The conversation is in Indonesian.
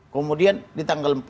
kemudian di tanggal empat